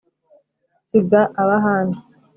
Nsiga abahandi